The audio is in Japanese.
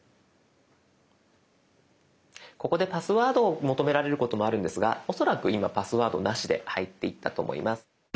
ここでパスワードを求められることもあるんですが恐らく今パスワードなしで入っていったと思います。